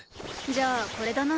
じゃあこれだな。